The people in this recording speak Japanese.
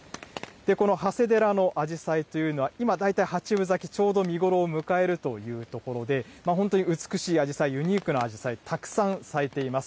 この長谷寺のアジサイというのは、今、大体８分咲き、ちょうど見頃を迎えるということで、本当に美しいアジサイ、ユニークなアジサイ、たくさん咲いています。